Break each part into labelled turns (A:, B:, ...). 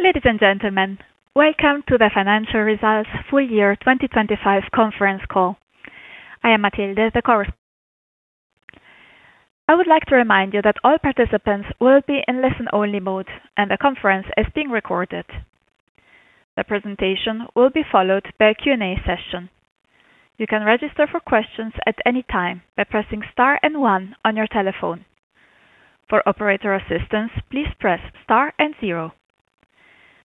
A: Ladies and gentlemen, welcome to the financial results full year 2025 conference call. I am Matilde. I would like to remind you that all participants will be in listen-only mode, and the conference is being recorded. The presentation will be followed by a Q&A session. You can register for questions at any time by pressing star and one on your telephone. For operator assistance, please press star and zero.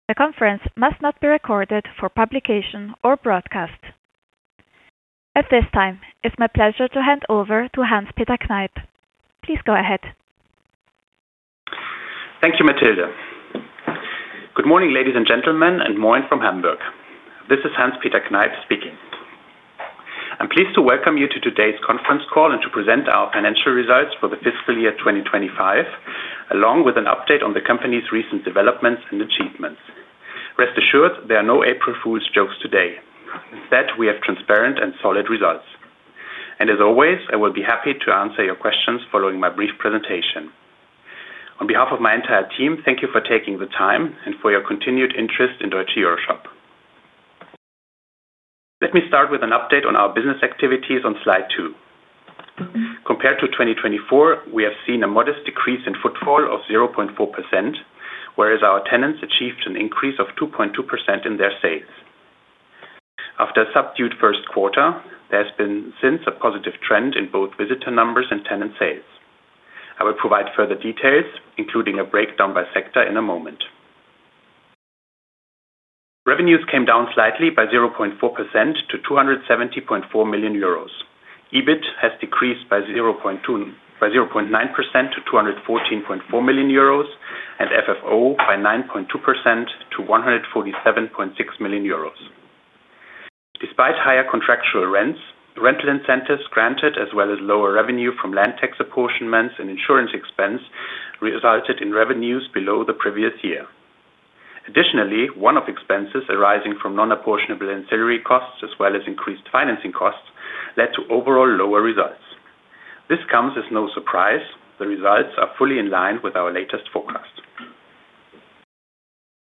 A: The conference must not be recorded for publication or broadcast. At this time, it's my pleasure to hand over to Hans-Peter Kneip. Please go ahead.
B: Thank you, Matilde. Good morning, ladies and gentlemen, and morning from Hamburg. This is Hans-Peter Kneip speaking. I'm pleased to welcome you to today's conference call and to present our financial results for the fiscal year 2025, along with an update on the company's recent developments and achievements. Rest assured there are no April Fools jokes today. Instead, we have transparent and solid results. As always, I will be happy to answer your questions following my brief presentation. On behalf of my entire team, thank you for taking the time and for your continued interest in Deutsche EuroShop. Let me start with an update on our business activities on slide two. Compared to 2024, we have seen a modest decrease in footfall of 0.4%, whereas our tenants achieved an increase of 2.2% in their sales. After a subdued first quarter, there has been since a positive trend in both visitor numbers and tenant sales. I will provide further details, including a breakdown by sector in a moment. Revenues came down slightly by 0.4% to 270.4 million euros. EBIT has decreased by 0.9% to 214.4 million euros and FFO by 9.2% to 147.6 million euros. Despite higher contractual rents, the rental incentives granted, as well as lower revenue from land tax apportionments and insurance expense, resulted in revenues below the previous year. Additionally, one-off expenses arising from non-apportionable ancillary costs as well as increased financing costs led to overall lower results. This comes as no surprise. The results are fully in line with our latest forecast.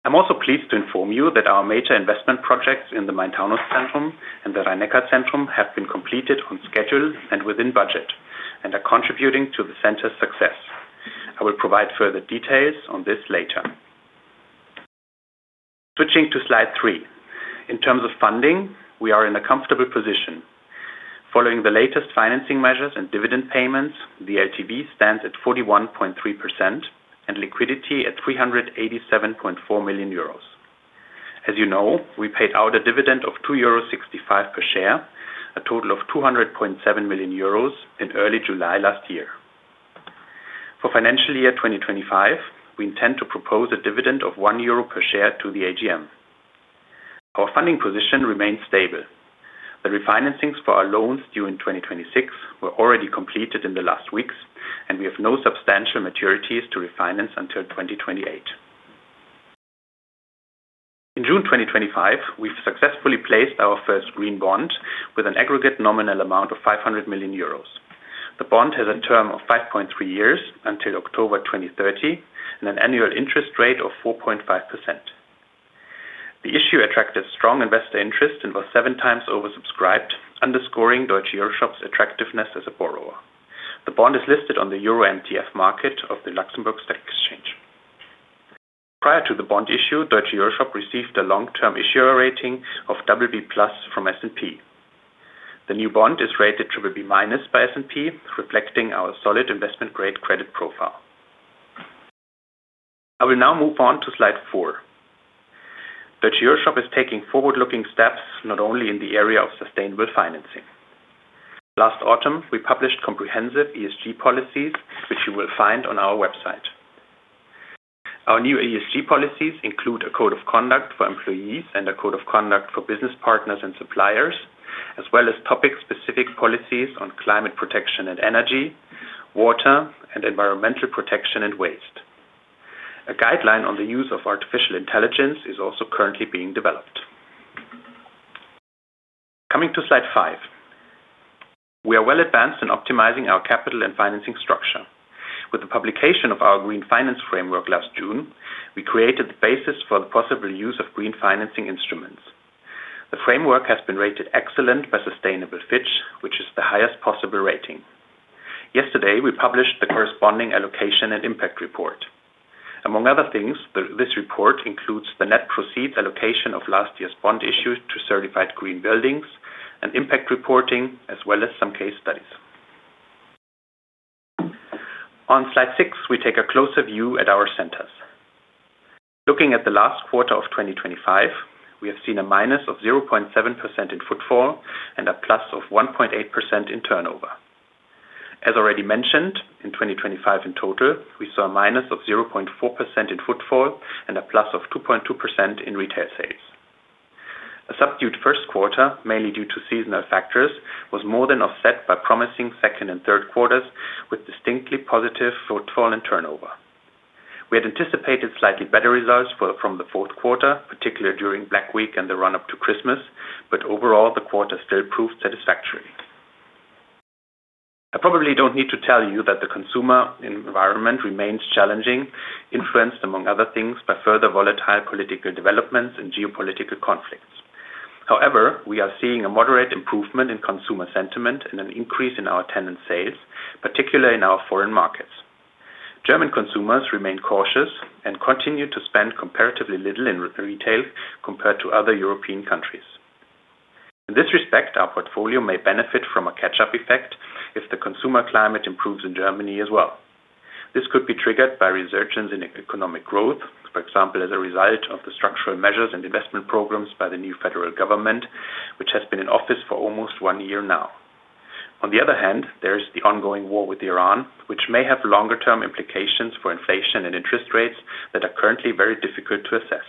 B: I'm also pleased to inform you that our major investment projects in the Main-Taunus-Zentrum and the Rhein-Neckar-Zentrum have been completed on schedule and within budget and are contributing to the center's success. I will provide further details on this later. Switching to slide three. In terms of funding, we are in a comfortable position. Following the latest financing measures and dividend payments, the LTV stands at 41.3% and liquidity at 387.4 million euros. As you know, we paid out a dividend of 2.65 euros per share, a total of 200.7 million euros in early July last year. For financial year 2025, we intend to propose a dividend of 1 euro per share to the AGM. Our funding position remains stable. The refinancings for our loans due in 2026 were already completed in the last weeks, and we have no substantial maturities to refinance until 2028. In June 2025, we've successfully placed our first green bond with an aggregate nominal amount of 500 million euros. The bond has a term of 5.3 years until October 2030 and an annual interest rate of 4.5%. The issue attracted strong investor interest and was 7x oversubscribed, underscoring Deutsche EuroShop's attractiveness as a borrower. The bond is listed on the Euro MTF market of the Luxembourg Stock Exchange. Prior to the bond issue, Deutsche EuroShop received a long-term issuer rating of BB+ from S&P. The new bond is rated BB- by S&P, reflecting our solid investment-grade credit profile. I will now move on to slide four. Deutsche EuroShop is taking forward-looking steps not only in the area of sustainable financing. Last autumn, we published comprehensive ESG policies, which you will find on our website. Our new ESG policies include a code of conduct for employees and a code of conduct for business partners and suppliers, as well as topic-specific policies on climate protection and energy, water, and environmental protection and waste. A guideline on the use of artificial intelligence is also currently being developed. Coming to slide five. We are well advanced in optimizing our capital and financing structure. With the publication of our green finance framework last June, we created the basis for the possible use of green financing instruments. The framework has been rated excellent by Sustainable Fitch, which is the highest possible rating. Yesterday, we published the corresponding allocation and impact report. Among other things, this report includes the net proceeds allocation of last year's bond issues to certified green buildings and impact reporting, as well as some case studies. On slide six, we take a closer view at our centers. Looking at the last quarter of 2025, we have seen a minus of 0.7% in footfall and a plus of 1.8% in turnover. As already mentioned, in 2025 in total, we saw a -0.4% in footfall and a +2.2% in retail sales. A subdued first quarter, mainly due to seasonal factors, was more than offset by promising second and third quarters with distinctly positive footfall and turnover. We had anticipated slightly better results for, from the fourth quarter, particularly during Black Week and the run-up to Christmas, but overall, the quarter still proved satisfactory. I probably don't need to tell you that the consumer environment remains challenging, influenced, among other things, by further volatile political developments and geopolitical conflicts. However, we are seeing a moderate improvement in consumer sentiment and an increase in our tenant sales, particularly in our foreign markets. German consumers remain cautious and continue to spend comparatively little in retail compared to other European countries. In this respect, our portfolio may benefit from a catch-up effect if the consumer climate improves in Germany as well. This could be triggered by resurgence in economic growth, for example, as a result of the structural measures and investment programs by the new federal government, which has been in office for almost one year now. On the other hand, there's the ongoing war with Iran, which may have longer term implications for inflation and interest rates that are currently very difficult to assess.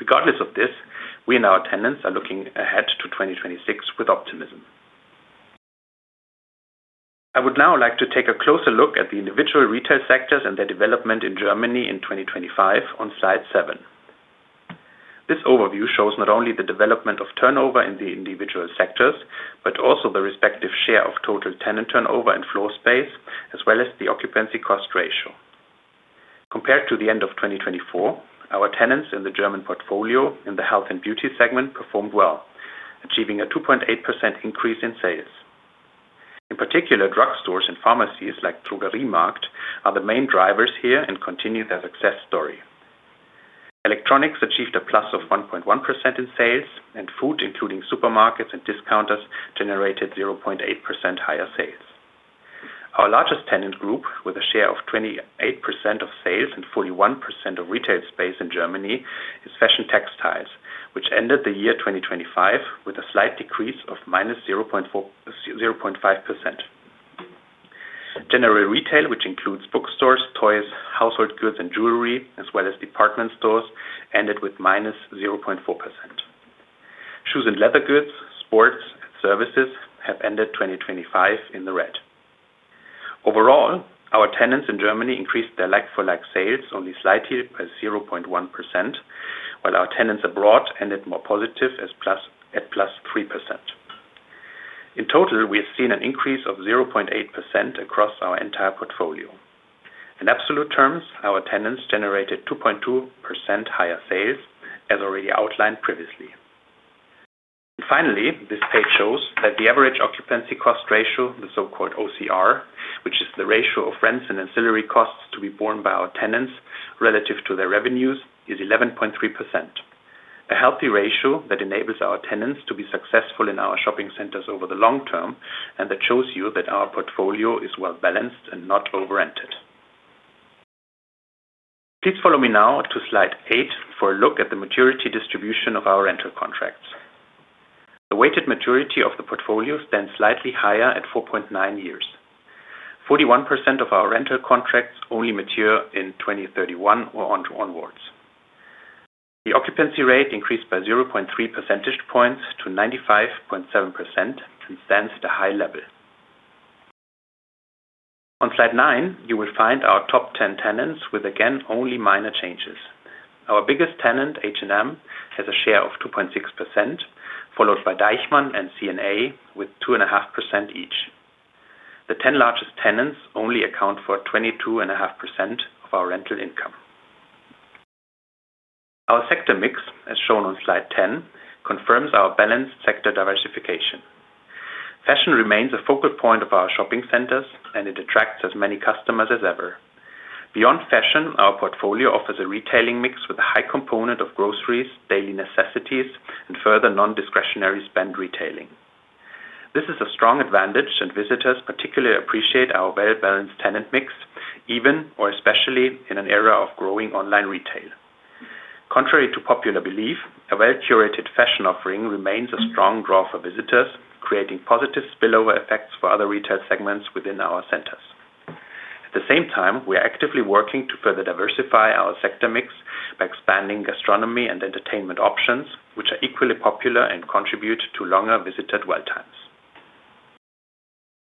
B: Regardless of this, we and our tenants are looking ahead to 2026 with optimism. I would now like to take a closer look at the individual retail sectors and their development in Germany in 2025 on slide seven. This overview shows not only the development of turnover in the individual sectors, but also the respective share of total tenant turnover and floor space, as well as the occupancy cost ratio. Compared to the end of 2024, our tenants in the German portfolio in the health and beauty segment performed well, achieving a 2.8% increase in sales. In particular, drug stores and pharmacies like dm-drogerie markt are the main drivers here and continue their success story. Electronics achieved a plus of 1.1% in sales, and food, including supermarkets and discounters, generated 0.8% higher sales. Our largest tenant group, with a share of 28% of sales and 41% of retail space in Germany, is fashion textiles, which ended the year 2025 with a slight decrease of -0.5%. General retail, which includes bookstores, toys, household goods, and jewelry, as well as department stores, ended with -0.4%. Shoes and leather goods, sports and services have ended 2025 in the red. Overall, our tenants in Germany increased their like for like sales only slightly by 0.1%, while our tenants abroad ended more positive at +3%. In total, we have seen an increase of 0.8% across our entire portfolio. In absolute terms, our tenants generated 2.2% higher sales, as already outlined previously. Finally, this page shows that the average occupancy cost ratio, the so-called OCR, which is the ratio of rents and ancillary costs to be borne by our tenants relative to their revenues, is 11.3%. A healthy ratio that enables our tenants to be successful in our shopping centers over the long term, and that shows you that our portfolio is well-balanced and not over-rented. Please follow me now to slide eight for a look at the maturity distribution of our rental contracts. The weighted maturity of the portfolio stands slightly higher at 4.9 years. 41% of our rental contracts only mature in 2031 or onwards. The occupancy rate increased by 0.3 percentage points to 95.7%, transcending the high level. On slide nine, you will find our top 10 tenants with again, only minor changes. Our biggest tenant, H&M, has a share of 2.6%, followed by Deichmann and C&A with 2.5% each. The 10 largest tenants only account for 22.5% of our rental income. Our sector mix, as shown on Slide 10, confirms our balanced sector diversification. Fashion remains a focal point of our shopping centers, and it attracts as many customers as ever. Beyond fashion, our portfolio offers a retailing mix with a high component of groceries, daily necessities and further non-discretionary spend retailing. This is a strong advantage, and visitors particularly appreciate our well-balanced tenant mix, even or especially in an era of growing online retail. Contrary to popular belief, a well-curated fashion offering remains a strong draw for visitors, creating positive spillover effects for other retail segments within our centers. At the same time, we are actively working to further diversify our sector mix by expanding gastronomy and entertainment options, which are equally popular and contribute to longer dwell times.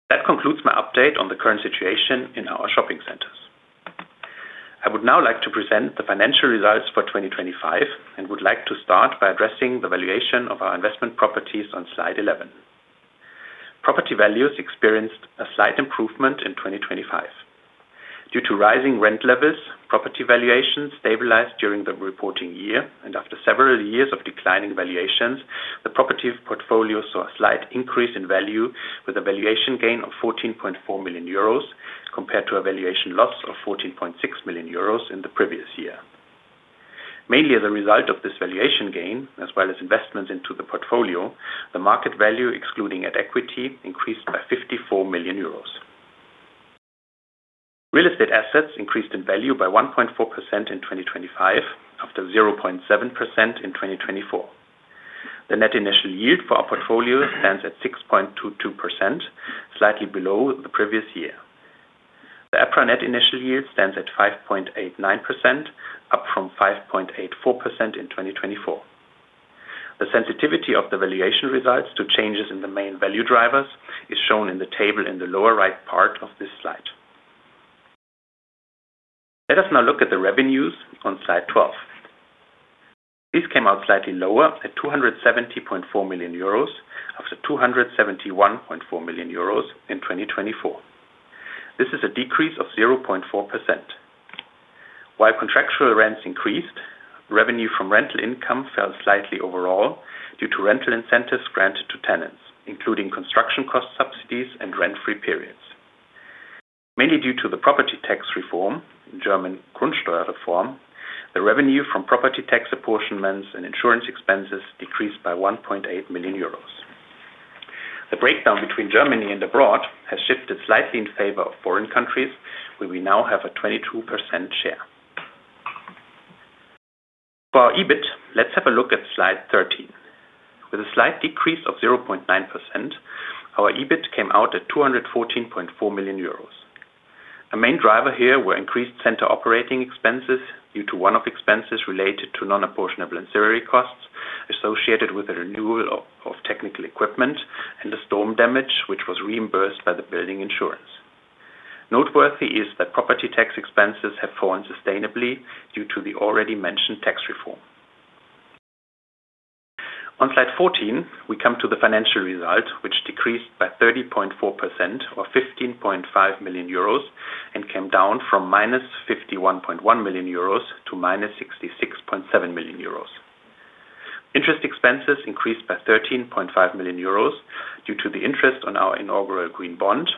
B: That concludes my update on the current situation in our shopping centers. I would now like to present the financial results for 2025 and would like to start by addressing the valuation of our investment properties on Slide 11. Property values experienced a slight improvement in 2025. Due to rising rent levels, property valuations stabilized during the reporting year and after several years of declining valuations, the property portfolio saw a slight increase in value with a valuation gain of 14.4 million euros as compared to a valuation loss of 14.6 million euros in the previous year. Mainly as a result of this valuation gain, as well as investments into the portfolio, the market value excluding at equity increased by 54 million euros. Real estate assets increased in value by 1.4% in 2025 after 0.7% in 2024. The net initial yield for our portfolio stands at 6.22%, slightly below the previous year. The EPRA net initial yield stands at 5.89%, up from 5.84% in 2024. The sensitivity of the valuation results to changes in the main value drivers is shown in the table in the lower right part of this slide. Let us now look at the revenues on Slide 12. These came out slightly lower at 270.4 million euros after 271.4 million euros in 2024. This is a decrease of 0.4%. While contractual rents increased, revenue from rental income fell slightly overall due to rental incentives granted to tenants, including construction cost subsidies and rent-free periods. Mainly due to the property tax reform, in German, Grundsteuerreform, our EBIT. Let's have a look at Slide 13. With a slight decrease of 0.9%, our EBIT came out at 214.4 million euros. The main driver here were increased center operating expenses due to one-off expenses related to non-apportionable ancillary costs associated with the renewal of technical equipment and the storm damage, which was reimbursed by the building insurance. Noteworthy is that property tax expenses have fallen sustainably due to the already mentioned tax reform. On Slide 14, we come to the financial result, which decreased by 30.4% or 15.5 million euros and came down from -51.1 million--66.7 million euros. Interest expenses increased by 13.5 million euros due to the interest on our inaugural green bond,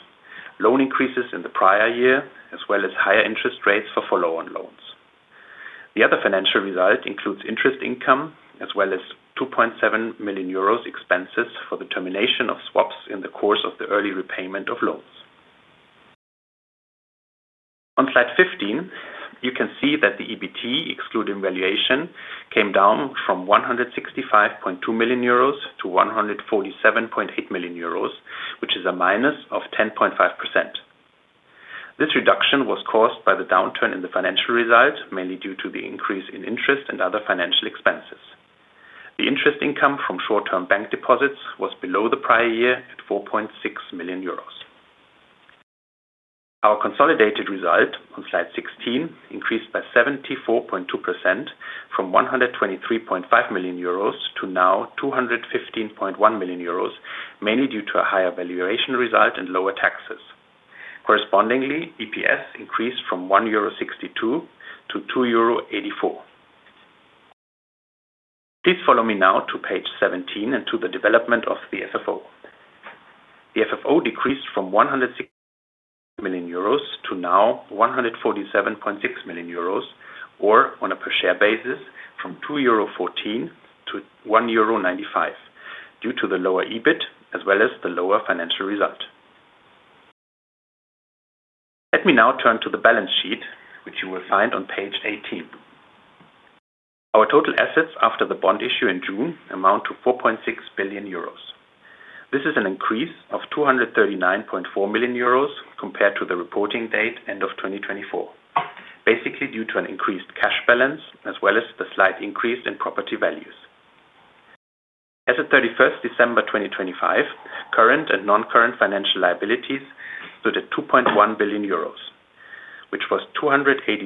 B: loan increases in the prior year, as well as higher interest rates for follow-on loans. The other financial result includes interest income as well as 2.7 million euros expenses for the termination of swaps in the course of the early repayment of loans. On Slide 15, you can see that the EBT excluding valuation came down from 165.2 million-147.8 million euros, which is a -10.5%. This reduction was caused by the downturn in the financial result, mainly due to the increase in interest and other financial expenses. The interest income from short-term bank deposits was below the prior year at 4.6 million euros. Our consolidated result on Slide 16 increased by 74.2% from 123.5 million-215.1 million euros, mainly due to a higher valuation result and lower taxes. Correspondingly, EPS increased from 1.62-2.84 euro. Please follow me now to page 17 and to the development of the FFO. The FFO decreased from 160 million-147.6 million euros, or on a per share basis from 2.14-1.95 euro due to the lower EBIT as well as the lower financial result. Let me now turn to the balance sheet, which you will find on page 18. Our total assets after the bond issue in June amount to 4.6 billion euros. This is an increase of 239.4 million euros compared to the reporting date end of 2024, basically due to an increased cash balance as well as the slight increase in property values. As of 31st December 2025, current and non-current financial liabilities stood at 2.1 billion euros, which was 283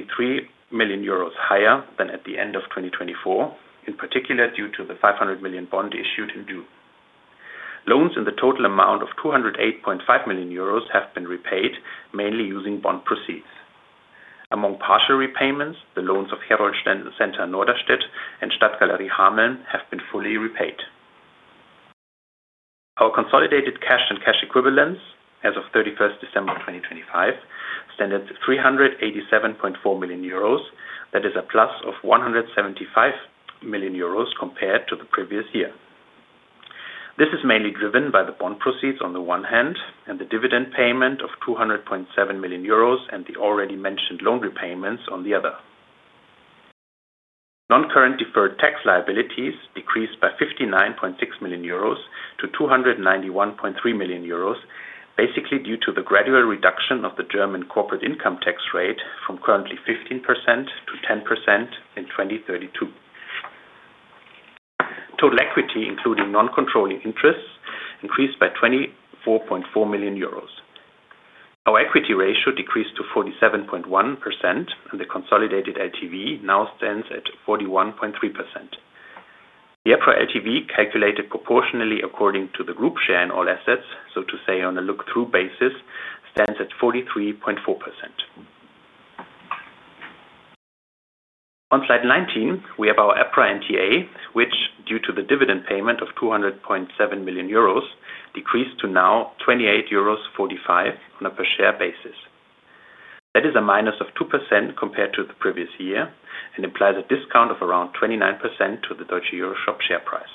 B: million euros higher than at the end of 2024, in particular, due to the 500 million bond issued in June. Loans in the total amount of 208.5 million euros have been repaid, mainly using bond proceeds. Among partial repayments, the loans of Herold-Center Norderstedt and Stadt-Galerie Hameln have been fully repaid. Our consolidated cash and cash equivalents as of 31st December 2025 stand at 387.4 million euros. That is a +175 million euros compared to the previous year. This is mainly driven by the bond proceeds on the one hand and the dividend payment of 200.7 million euros and the already mentioned loan repayments on the other. Non-current deferred tax liabilities decreased by 59.6 million-291.3 million euros, basically due to the gradual reduction of the German corporate income tax rate from currently 15%-10% in 2032. Total equity, including non-controlling interests, increased by 24.4 million euros. Our equity ratio decreased to 47.1%, and the consolidated LTV now stands at 41.3%. The EPRA LTV, calculated proportionally according to the group share in all assets, so to say on a look-through basis, stands at 43.4%. On Slide 19, we have our EPRA NTA, which, due to the dividend payment of 200.7 million euros, decreased to now 28.45 euros on a per share basis. That is a minus of 2% compared to the previous year and implies a discount of around 29% to the Deutsche EuroShop share price.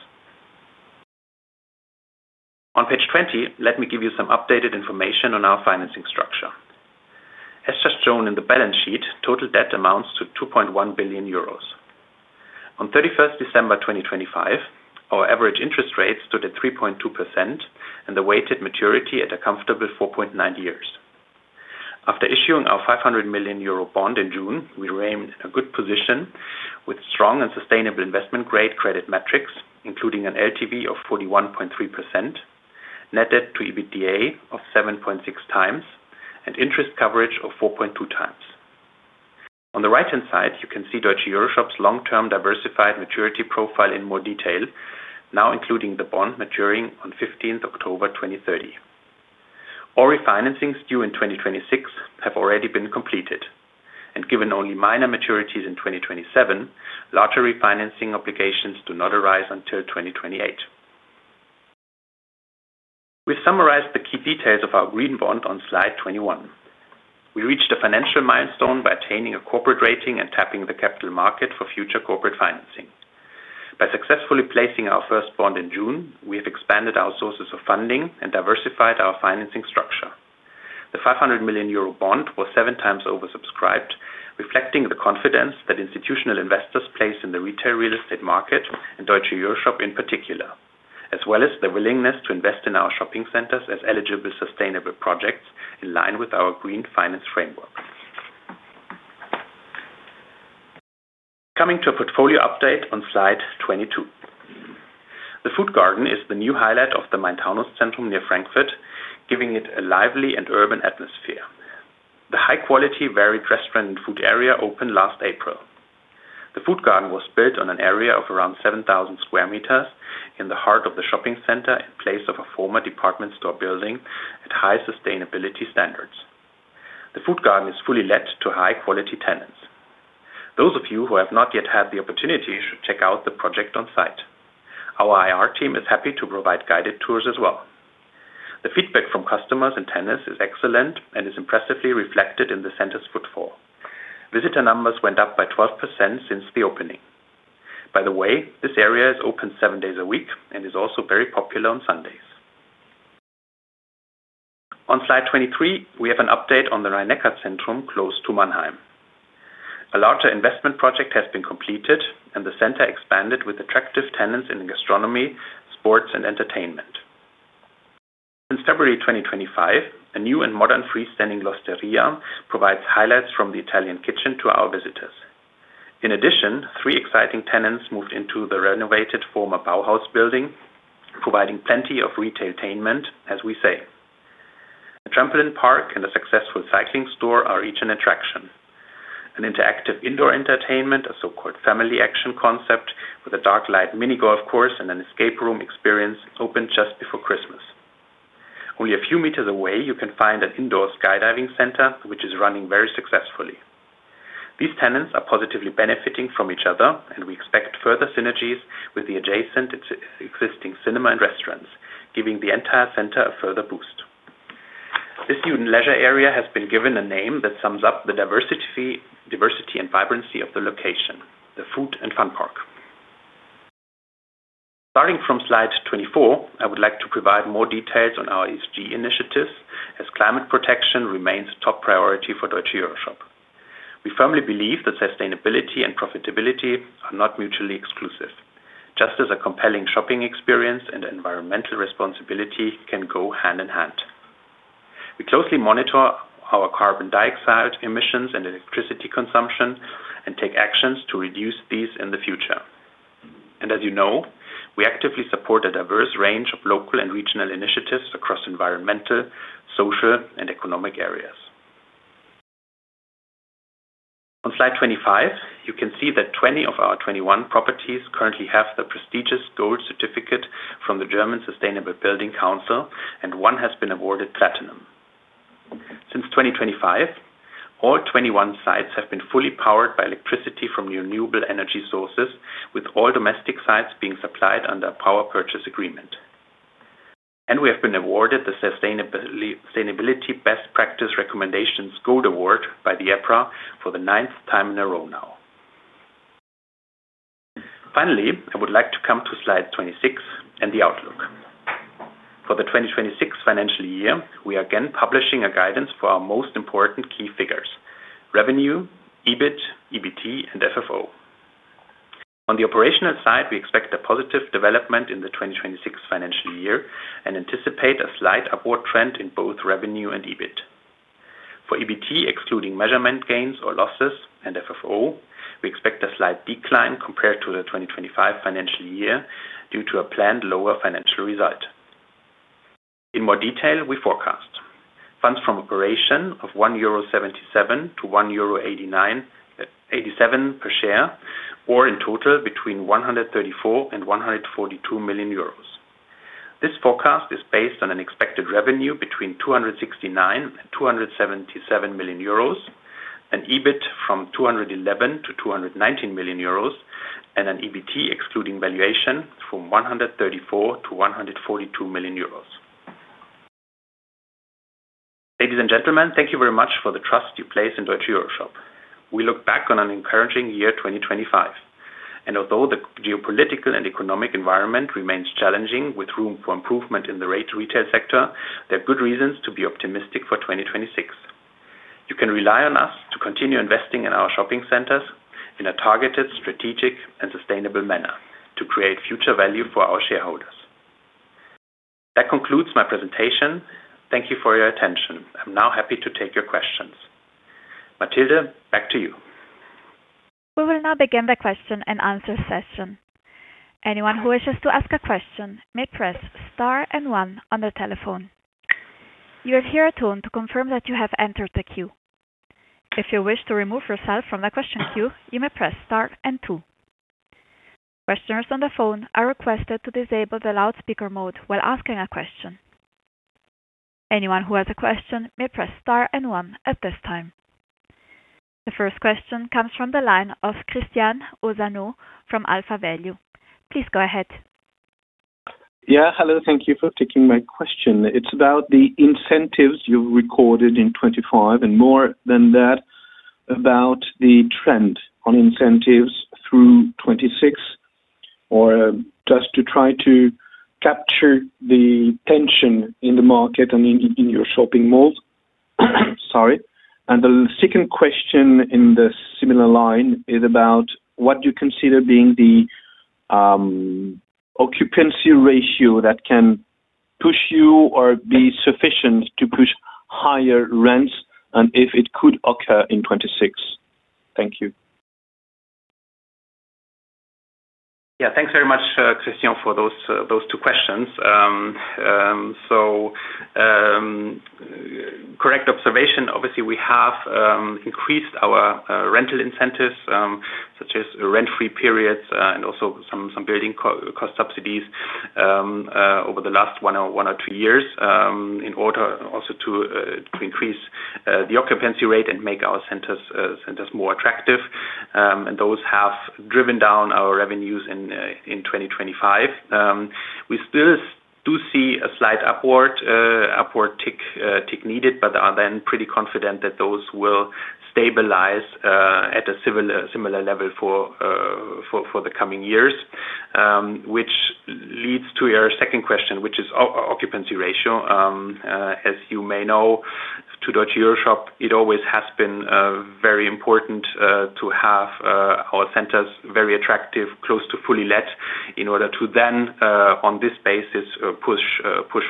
B: On page 20, let me give you some updated information on our financing structure. As just shown in the balance sheet, total debt amounts to 2.1 billion euros. On 31st December 2025, our average interest rate stood at 3.2% and the weighted maturity at a comfortable 4.9 years. After issuing our 500 million euro bond in June, we remain in a good position. Strong and sustainable investment grade credit metrics, including an LTV of 41.3%, net debt to EBITDA of 7.6x, and interest coverage of 4.2x. On the right-hand side, you can see Deutsche EuroShop's long-term diversified maturity profile in more detail now including the bond maturing on 15th October 2030. All refinancings due in 2026 have already been completed. Given only minor maturities in 2027, larger refinancing obligations do not arise until 2028. We summarized the key details of our green bond on Slide 21. We reached a financial milestone by attaining a corporate rating and tapping the capital market for future corporate financing. By successfully placing our first bond in June, we have expanded our sources of funding and diversified our financing structure. The 500 million euro bond was 7x oversubscribed, reflecting the confidence that institutional investors place in the retail real estate market and Deutsche EuroShop in particular, as well as the willingness to invest in our shopping centers as eligible sustainable projects in line with our green finance framework. Coming to a portfolio update on Slide 22. The Food Garden is the new highlight of the Main-Taunus-Zentrum near Frankfurt, giving it a lively and urban atmosphere. The high quality, varied restaurant and food area opened last April. The Food Garden was built on an area of around 7,000 sq m in the heart of the shopping center in place of a former department store building at high sustainability standards. The Food Garden is fully let to high quality tenants. Those of you who have not yet had the opportunity should check out the project on site. Our IR team is happy to provide guided tours as well. The feedback from customers and tenants is excellent and is impressively reflected in the center's footfall. Visitor numbers went up by 12% since the opening. By the way, this area is open seven days a week and is also very popular on Sundays. On Slide 23, we have an update on the Rhein-Neckar-Zentrum close to Mannheim. A larger investment project has been completed and the center expanded with attractive tenants in gastronomy, sports and entertainment. Since February 2025, a new and modern freestanding L'Osteria provides highlights from the Italian kitchen to our visitors. In addition, three exciting tenants moved into the renovated former Bauhaus building, providing plenty of retail-tainment, as we say. A trampoline park and a successful cycling store are each an attraction. An interactive indoor entertainment, a so-called family action concept with a dark light mini golf course and an escape room experience opened just before Christmas. Only a few meters away, you can find an indoor skydiving center, which is running very successfully. These tenants are positively benefiting from each other, and we expect further synergies with the adjacent existing cinema and restaurants, giving the entire center a further boost. This new leisure area has been given a name that sums up the diversity and vibrancy of the location, the Food and Fun Park. Starting from Slide 24, I would like to provide more details on our ESG initiatives as climate protection remains top priority for Deutsche EuroShop. We firmly believe that sustainability and profitability are not mutually exclusive, just as a compelling shopping experience and environmental responsibility can go hand in hand. We closely monitor our carbon dioxide emissions and electricity consumption and take actions to reduce these in the future. As you know, we actively support a diverse range of local and regional initiatives across environmental, social, and economic areas. On Slide 25, you can see that 20 of our 21 properties currently have the prestigious Gold certificate from the German Sustainable Building Council, and one has been awarded Platinum. Since 2025, all 21 sites have been fully powered by electricity from renewable energy sources, with all domestic sites being supplied under a power purchase agreement. We have been awarded the sustainability Best Practice Recommendations Gold Award by the EPRA for the ninth time in a row now. Finally, I would like to come to Slide 26 and the outlook. For the 2026 financial year, we are again publishing a guidance for our most important key figures, revenue, EBIT, EBT, and FFO. On the operational side, we expect a positive development in the 2026 financial year and anticipate a slight upward trend in both revenue and EBIT. For EBT, excluding measurement gains or losses and FFO, we expect a slight decline compared to the 2025 financial year due to a planned lower financial result. In more detail, we forecast funds from operation of 1.77-1.87 euro per share, or in total between 134 million and 142 million euros. This forecast is based on an expected revenue between 269 million euros and 277 million euros, an EBIT from 211 million to 219 million euros, and an EBT excluding valuation from 134 million to EUR 142 million. Ladies and gentlemen, thank you very much for the trust you place in Deutsche EuroShop. We look back on an encouraging year 2025. Although the geopolitical and economic environment remains challenging with room for improvement in the retail sector, there are good reasons to be optimistic for 2026. You can rely on us to continue investing in our shopping centers in a targeted, strategic, and sustainable manner to create future value for our shareholders. That concludes my presentation. Thank you for your attention. I'm now happy to take your questions. Matilde, back to you.
A: We will now begin the question-and-answer session. Anyone who wishes to ask a question may press star and one on their telephone. You will hear a tone to confirm that you have entered the queue. If you wish to remove yourself from the question queue, you may press star and two. Questioners on the phone are requested to disable the loudspeaker mode while asking a question. Anyone who has a question may press star and one at this time. The first question comes from the line of Christian Auzanneau from AlphaValue. Please go ahead.
C: Yeah. Hello. Thank you for taking my question. It's about the incentives you've recorded in 2025, and more than that, about the trend on incentives through 2026 or just to try to capture the tension in the market and in your shopping malls. Sorry. The second question in the similar line is about what you consider being the occupancy ratio that can push you or be sufficient to push higher rents and if it could occur in 2026. Thank you.
B: Yeah, thanks very much, Christian, for those two questions. Correct observation. Obviously, we have increased our rental incentives, such as rent-free periods, and also some building cost subsidies, over the last one or two years, in order also to increase the occupancy rate and make our centers more attractive. Those have driven down our revenues in 2025. We still do see a slight upward tick needed, but are then pretty confident that those will stabilize at a similar level for the coming years. Which leads to your second question, which is occupancy ratio. As you may know, to Deutsche EuroShop, it always has been very important to have our centers very attractive, close to fully let in order to then on this basis push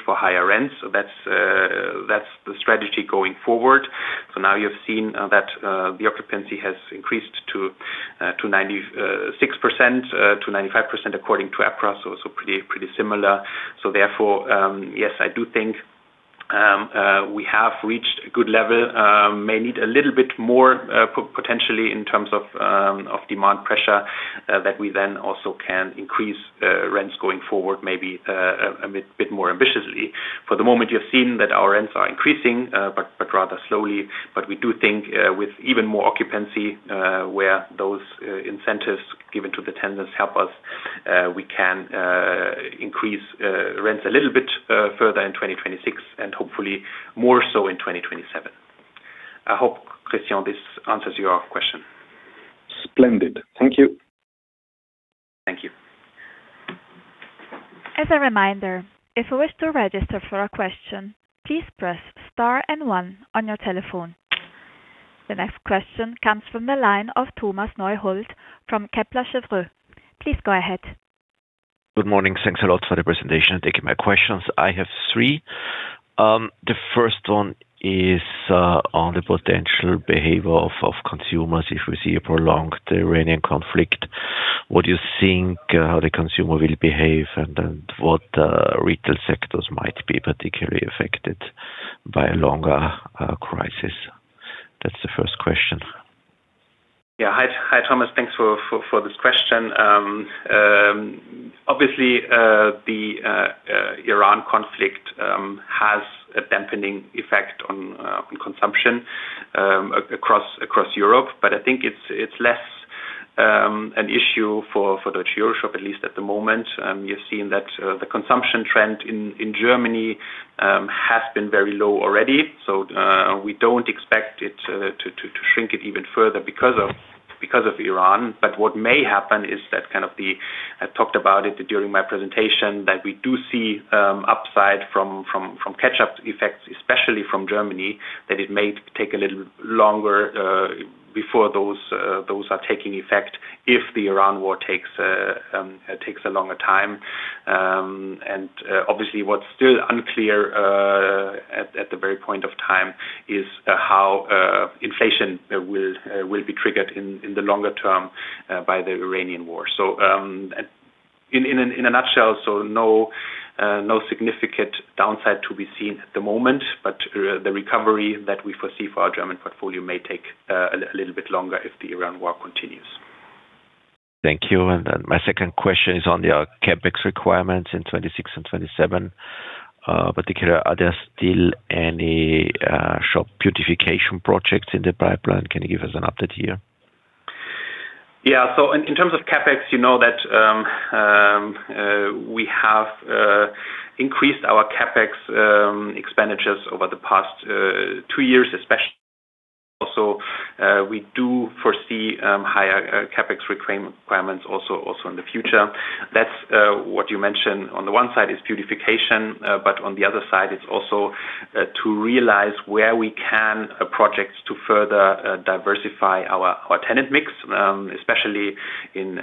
B: for higher rents. That's the strategy going forward. Now you've seen that the occupancy has increased to 96%-95% according to EPRA, so pretty similar. Therefore, yes, I do think we have reached a good level, may need a little bit more potentially in terms of of demand pressure that we then also can increase rents going forward, maybe a bit more ambitiously. For the moment, you've seen that our rents are increasing, but rather slowly. We do think with even more occupancy where those incentives given to the tenants help us we can increase rents a little bit further in 2026 and hopefully more so in 2027. I hope, Christian, this answers your question.
C: Splendid. Thank you.
B: Thank you.
A: As a reminder, if you wish to register for a question, please press star and one on your telephone. The next question comes from the line of Thomas Neuhold from Kepler Cheuvreux. Please go ahead.
D: Good morning. Thanks a lot for the presentation. Thank you. My questions, I have three. The first one is on the potential behavior of consumers. If we see a prolonged Iranian conflict, what do you think how the consumer will behave, and then what retail sectors might be particularly affected by a longer crisis? That's the first question.
B: Yeah. Hi, Thomas. Thanks for this question. Obviously, the Iran conflict has a dampening effect on consumption across Europe, but I think it's less an issue for Deutsche EuroShop, at least at the moment. You've seen that the consumption trend in Germany has been very low already. We don't expect it to shrink it even further because of Iran. What may happen is I talked about it during my presentation, that we do see upside from catch-up effects, especially from Germany, that it may take a little longer before those are taking effect if the Iran war takes a longer time. Obviously what's still unclear at the very point of time is how inflation will be triggered in the longer term by the Iranian war. In a nutshell, no significant downside to be seen at the moment, but the recovery that we foresee for our German portfolio may take a little bit longer if the Iran war continues.
D: Thank you. My second question is on the CapEx requirements in 2026 and 2027. Particularly, are there still any shop purification projects in the pipeline? Can you give us an update here?
B: Yeah. In terms of CapEx, you know that we have increased our CapEx expenditures over the past two years, especially. We do foresee higher CapEx requirements also in the future. That's what you mentioned. On the one side is purification, but on the other side, it's also to realize projects to further diversify our tenant mix, especially in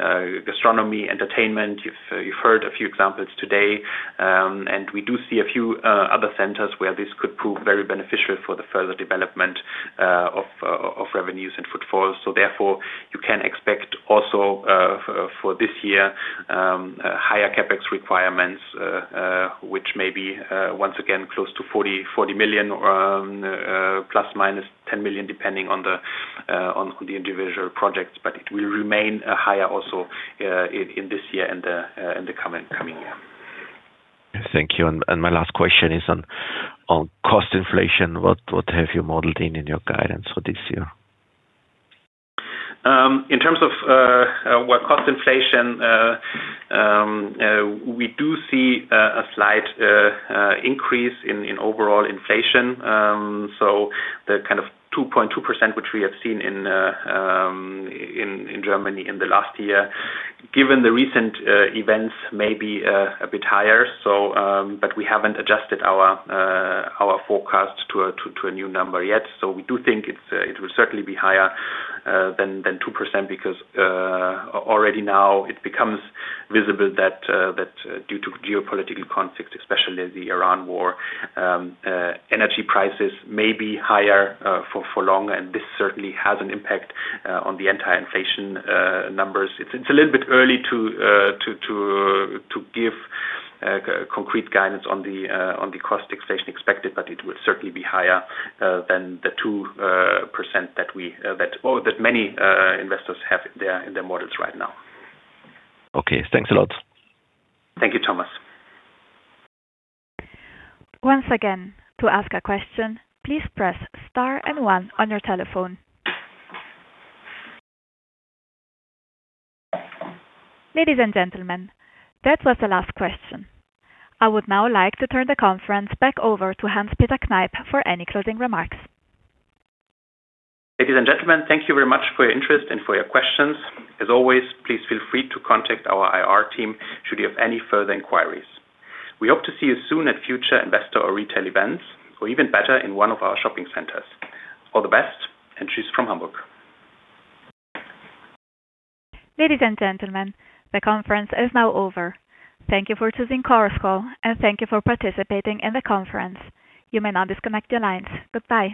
B: gastronomy, entertainment. You've heard a few examples today. We do see a few other centers where this could prove very beneficial for the further development of revenues and footfalls. Therefore, you can expect also for this year higher CapEx requirements, which may be once again close to 40 million ± 10 million, depending on the individual projects. It will remain higher also in this year and in the coming year.
D: Thank you. My last question is on cost inflation. What have you modeled in your guidance for this year?
B: In terms of well, cost inflation, we do see a slight increase in overall inflation, the kind of 2.2% which we have seen in Germany in the last year. Given the recent events, it may be a bit higher. We haven't adjusted our forecast to a new number yet. We do think it will certainly be higher than 2% because already now it becomes visible that due to geopolitical conflict, especially the Iran war, energy prices may be higher for long. This certainly has an impact on the entire inflation numbers. It's a little bit early to give concrete guidance on the cost inflation expected, but it will certainly be higher than the 2% that many investors have in their models right now.
D: Okay, thanks a lot.
B: Thank you, Thomas.
A: Once again, to ask a question, please press star and one on your telephone. Ladies and gentlemen, that was the last question. I would now like to turn the conference back over to Hans-Peter Kneip for any closing remarks.
B: Ladies and gentlemen, thank you very much for your interest and for your questions. As always, please feel free to contact our IR team should you have any further inquiries. We hope to see you soon at future investor or retail events, or even better, in one of our shopping centers. All the best, and cheers from Hamburg.
A: Ladies and gentlemen, the conference is now over. Thank you for choosing Chorus Call, and thank you for participating in the conference. You may now disconnect your lines. Goodbye.